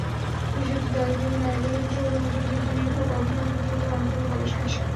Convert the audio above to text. বিশেষত 'দারিদ্র্যের নারীবাদ' এবং শহুরে অঞ্চলে জীবিকা নির্বাহ ও কর্মসংস্থান' ছিলো তার অন্যতম গবেষণার বিষয়।